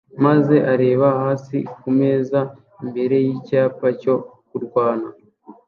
maze areba hasi kumeza imbere yicyapa cyo kurwana